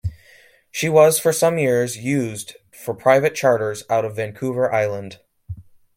She was for some years used for private charters out of Vancouver Island.